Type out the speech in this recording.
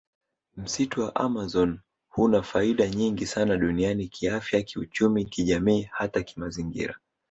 Msitu wa amazon huna faida nyingi sana duniani kiafya kiuchumi kijamii hata kimazingira